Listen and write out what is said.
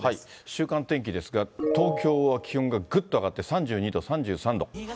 週間天気ですが、東京は気温がぐっと上がって、３２度、３３度。